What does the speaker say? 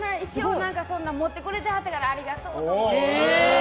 そんな持ってくれてはったからありがとうって。